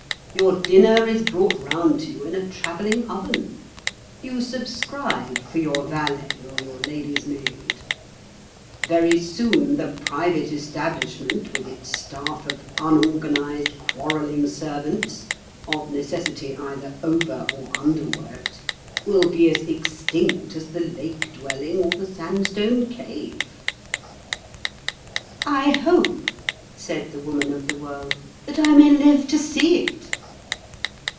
Your dinner is brought round to you in a travelling oven. You subscribe for your valet or your lady's maid. Very soon the private establishment, with its staff of unorganised, quarrelling servants, of necessity either over or underworked, will be as extinct as the lake dwelling or the sandstone cave." "I hope," said the Woman of the World, "that I may live to see it."